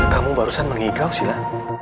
kamu barusan mengigau sila